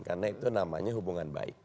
karena itu namanya hubungan baik